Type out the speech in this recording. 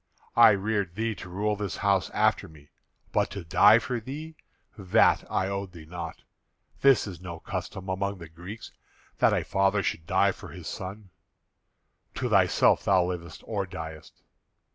I reared thee to rule this house after me; but to die for thee, that I owed thee not. This is no custom among the Greeks that a father should die for his son. To thyself thou livest or diest.